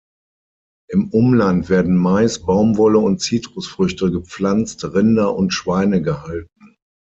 Im Umland werden Mais, Baumwolle und Zitrusfrüchte gepflanzt, Rinder und Schweine gehalten.